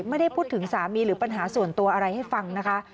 ไม่ได้พูดถึงสามีหรือปัญหาส่วนตัวอะไรให้ฟังนะคะ